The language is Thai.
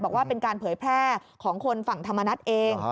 บอกว่าเป็นการเผยแพร่ของคนฝั่งธรรมนัฐเอง